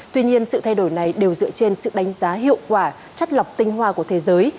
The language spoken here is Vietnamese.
tuy nhiên sự thay đổi này đều dựa trên sự đánh giá hiệu quả chất lọc tinh hoa của thế giới